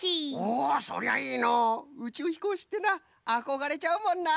おおそりゃいいのう！うちゅうひこうしってのはあこがれちゃうもんな。